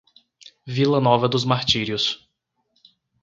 Vila Nova dos Martírios